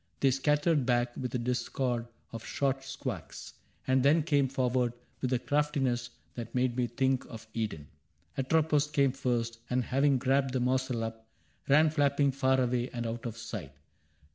They scattered back with a discord of short squawks And then came forward with a craftiness That made me think of Eden. Atropos Came first, and having grabbed the morsel up, Ran flapping far away and out of sight.